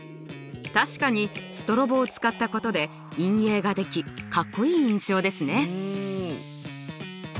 確かにストロボを使ったことで陰影ができかっこいい印象ですね。